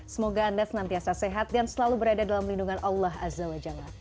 semoga anda senantiasa sehat dan selalu berada dalam lindungan allah azza wa jalla